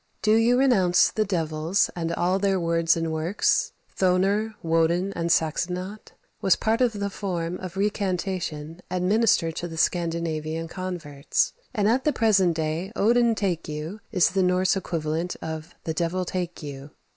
"Do you renounce the devils, and all their words and works; Thonar, Wodin, and Saxenote?" was part of the form of recantation administered to the Scandinavian converts; and at the present day "Odin take you" is the Norse equivalent of "the devil take you."